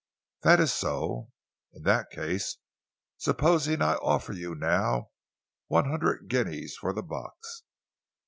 "That is so." "In that case, supposing I offer you now one hundred guineas for the box?"